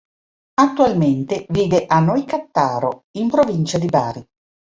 Attualmente vive a Noicattaro, in provincia di Bari.